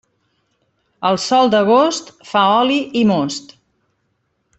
El sol d'agost fa oli i most.